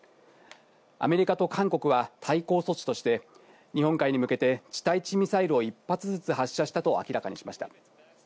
アメリカと韓国は対抗措置として日本海に向けて地対地ミサイルを１発ずつ発射したと明らかにしました。